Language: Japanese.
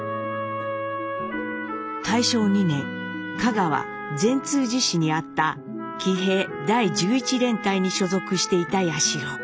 大正２年香川善通寺市にあった騎兵第十一連隊に所属していた彌四郎。